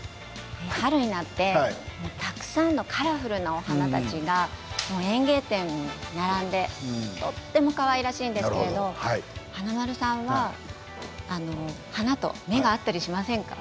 春になってたくさんのカラフルなお花たちが園芸店に並んでとてもかわいらしいんですけれども華丸さんは花と目が合ったりしませんか？